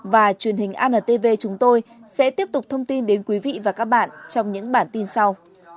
và truyền hình antv chúng tôi sẽ tiếp tục thông tin đến quý vị và các bạn trong những bản tin sau